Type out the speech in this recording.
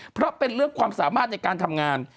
เพราะเป็นเรื่องความสามารถในการทำงาน